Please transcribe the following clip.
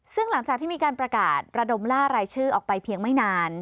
ซึ่งหลังจากที่มีการประกาศระดมล่ารายชื่อออกไปเพียงไม่นาน